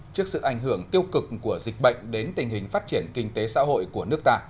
trước sự ảnh hưởng tiêu cực của dịch bệnh đến tình hình phát triển kinh tế xã hội của nước ta